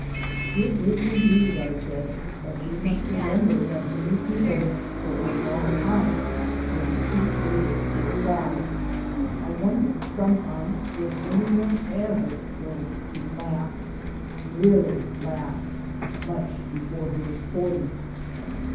"It is, indeed," I said, "but you must remember that many people, for a long time, will be too serious to apply. I wonder sometimes if any one ever learns to laugh really laugh much before he is forty."